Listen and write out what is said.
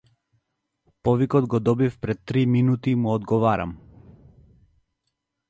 Повикот го добив пред три минути му одговарам.